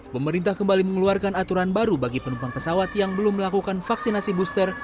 pemerintah kembali mengeluarkan aturan baru bagi penumpang pesawat yang belum melakukan vaksinasi booster